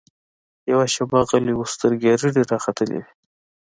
يوه شېبه غلى و سترګې يې رډې راختلې وې.